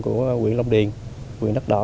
của huyện long điền huyện đất đỏ